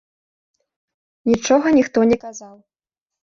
Нічога ніхто не казаў.